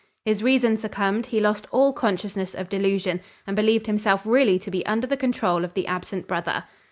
His reason succumbed, he lost all consciousness of delusion, and believed himself really to be under the control of the absent brother.